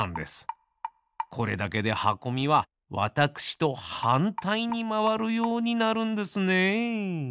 これだけではこみはわたくしとはんたいにまわるようになるんですね。